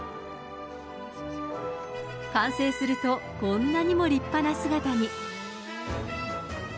完成すると、こんなにも立派な姿に。